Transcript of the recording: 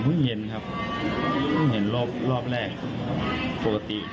ผมเพิ่งเย็นครับเพิ่งเห็นรอบรอบแรกครับปกติ